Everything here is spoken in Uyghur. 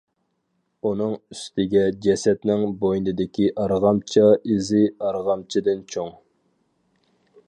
-ئۇنىڭ ئۈستىگە جەسەتنىڭ بوينىدىكى ئارغامچا ئىزى ئارغامچىدىن چوڭ.